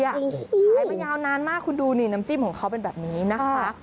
ขายมายาวนานมากคุณดูนี่น้ำจิ้มของเขาเป็นแบบนี้นะคะ